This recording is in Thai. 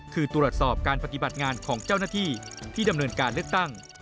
คือตรวจสอบการปฏิบัติงานของเจ้าหน้าที่ที่ดำเนินการเลือกตั้ง